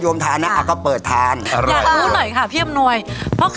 อย่างค๋วเตียวน้ำตก